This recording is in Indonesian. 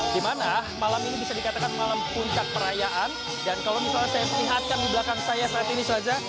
di mana malam ini bisa dikatakan malam puncak perayaan dan kalau misalnya saya melihatkan di belakang saya saat ini saja